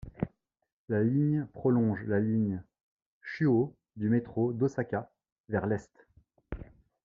La ligne prolonge la ligne Chūō du métro d'Osaka vers l'est.